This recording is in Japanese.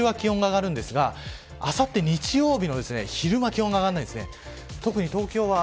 あしたの日中は気温が上がりますがあさって日曜日の昼間気温が上がらないんです。